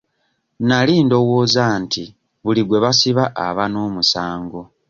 Nali ndowooza nti buli gwe basiba aba n'omusango.